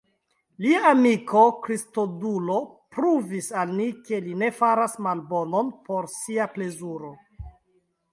Lia amiko Kristodulo pruvis al ni, ke li ne faras malbonon por sia plezuro.